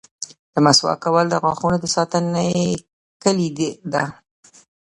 • د مسواک کول د غاښونو د ساتنې کلي ده.